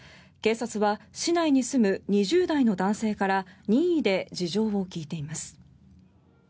警察は市内に住む２０代の男性から任意で事情を聴いています。